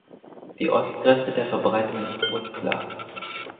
Die Ostgrenze der Verbreitung ist unklar.